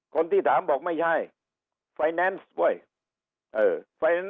คนที่ถามบอกไม่ใช่ไฟแนนซ์เว้ย